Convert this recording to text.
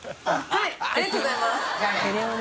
はいありがとうございます店主）